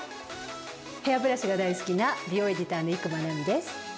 ヘアブラシが大好きな美容エディターの伊熊奈美です。